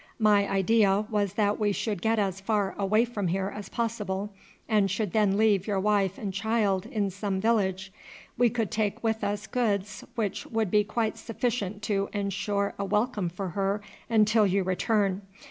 My idea was that we should get as far away from here as possible, and should then leave your wife and child in some village. We could take with us goods which would be quite sufficient to ensure a welcome for her until you return.